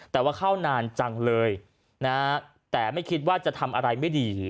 แต่ว่าเข้านานจังเลยนะแต่ไม่คิดว่าจะทำอะไรไม่ดี